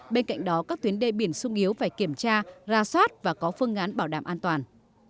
bên cạnh đó các tuyến đê biển sung yếu phải kiểm tra ra soát và có phương án bảo đảm an toàn